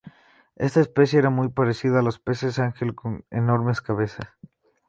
Esta especie era muy parecida a los peces ángel con enormes cabezas.